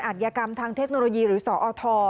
อาจยากรรมทางเทคโนโลยีหรือสอท